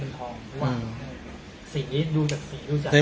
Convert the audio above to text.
เพราะว่าสีดูจากสีรู้จัก